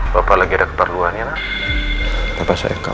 bapak lagi ada keperluannya papa sayang kau